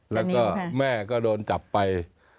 แล้วก็แม่ก็โดนจับไป